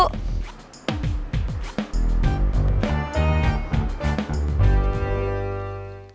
ada janji mau ketemu temen dulu